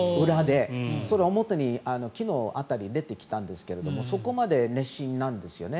それは表に昨日当たり、出てきたんですがそこまで熱心なんですよね。